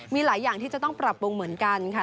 มีหลายอย่างที่จะต้องปรับปรุงเหมือนกันค่ะ